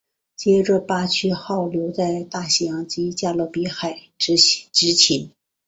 接着巴区号留在大西洋及加勒比海执勤。